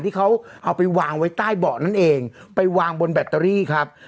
ที่เขาเอาไปวางไว้ใต้เบาะนั่นเองไปวางบนแบตเตอรี่ครับ